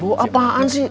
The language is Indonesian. bau apaan sih